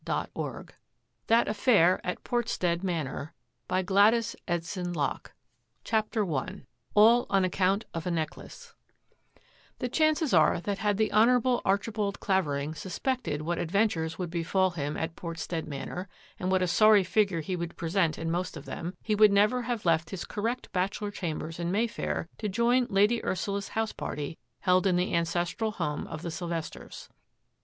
Off for the Continent . ^v^* ^H^^^^^V^^^ H ■< ^^^^^^Rt • 1 1— ock u.l '^ CHAPTER I ALL ON ACCOUNT OF A NECKLACE The chances are that had the Honourable Archi bald Clavering suspected what adventures would befall him at Portstead Manor and what a sorry figure he would present in most of them, he would never have left his correct bachelor chambers in May fair to join Lady Ursula's house party, held in the ancestral home of the Sylvesters.